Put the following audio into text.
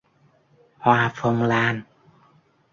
Hoa phong lan